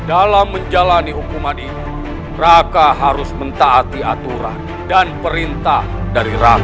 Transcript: dalam menjalani hukuman ini raka harus mentaati aturan dan perintah dari raka